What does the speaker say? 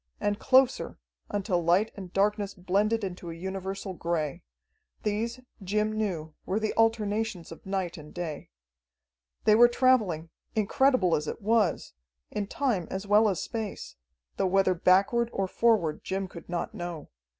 And closer, until light and darkness blended into a universal gray. These, Jim knew, were the alternations of night and day. They were traveling incredible as it was in time as well as space, though whether backward or forward Jim could not know.